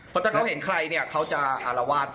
เพราะถ้าเขาเห็นใครเนี่ยเขาจะอารวาส